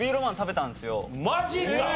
マジか！？